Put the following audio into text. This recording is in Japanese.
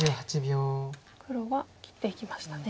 黒は切っていきましたね。